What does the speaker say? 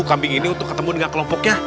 kambing ini untuk ketemu dengan kelompoknya